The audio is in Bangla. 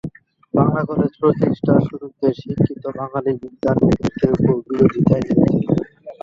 বাঙলা কলেজ প্রতিষ্ঠার শুরুতে শিক্ষিত বাঙালি বিদ্বান ব্যক্তিদের কেউ কেউ বিরোধিতায় নেমেছিলেন।